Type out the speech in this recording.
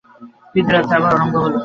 তিনটে রাত্রে আবার অরাম্ভ হল।